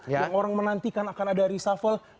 yang orang menantikan akan ada reshuffle